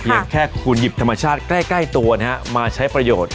แค่คุณหยิบธรรมชาติใกล้ตัวมาใช้ประโยชน์